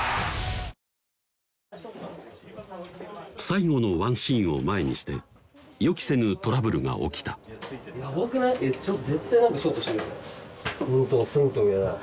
最後のワンシーンを前にして予期せぬトラブルが起きたヤバくない？